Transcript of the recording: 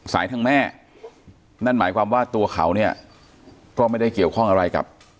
ทางแม่นั่นหมายความว่าตัวเขาเนี่ยก็ไม่ได้เกี่ยวข้องอะไรกับ